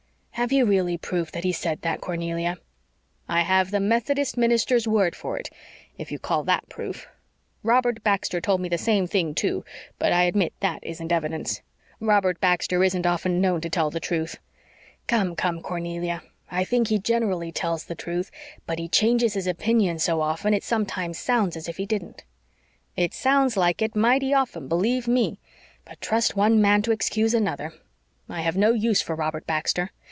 "Have you really proof that he said that, Cornelia?" "I have the Methodist minister's word for it if you call THAT proof. Robert Baxter told me the same thing too, but I admit THAT isn't evidence. Robert Baxter isn't often known to tell the truth." "Come, come, Cornelia, I think he generally tells the truth, but he changes his opinion so often it sometimes sounds as if he didn't." "It sounds like it mighty often, believe ME. But trust one man to excuse another. I have no use for Robert Baxter.